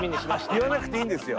言わなくていいんですよ。